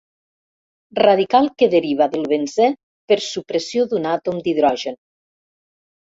Radical que deriva del benzè per supressió d'un àtom d'hidrogen.